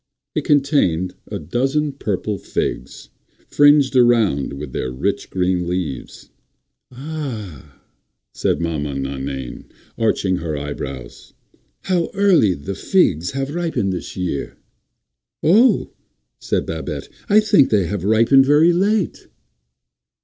It contained a dozen purple figs, fringed around with their rich, green leaves. "Ah," said Maman Nainaine, arching her eyebrows, "how early the figs have ripened this year!" "Oh," said Babette, "I think they have ripened very late."